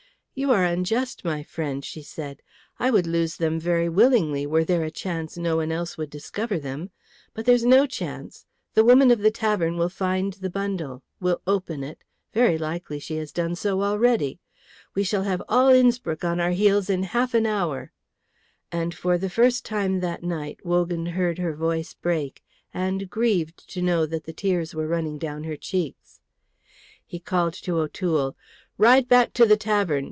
"You are unjust, my friend," she said. "I would lose them very willingly, were there a chance no one else would discover them. But there's no chance. The woman of the tavern will find the bundle, will open it; very likely she has done so already. We shall have all Innspruck on our heels in half an hour;" and for the first time that night Wogan heard her voice break, and grieved to know that the tears were running down her cheeks. He called to O'Toole, "Ride back to the tavern!